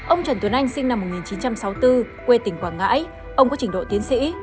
ông trần tuấn anh sinh năm một nghìn chín trăm sáu mươi bốn quê tỉnh quảng ngãi ông có trình độ tiến sĩ